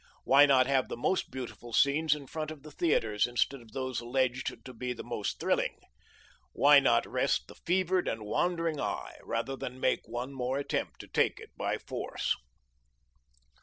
Why not have the most beautiful scenes in front of the theatres, instead of those alleged to be the most thrilling? Why not rest the fevered and wandering eye, rather than make one more attempt to take it by force?